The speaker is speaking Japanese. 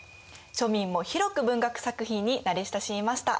庶民も広く文学作品に慣れ親しみました。